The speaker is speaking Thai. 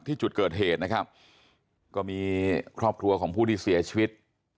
ที่จุดเกิดเหตุนะครับก็มีครอบครัวของผู้ที่เสียชีวิต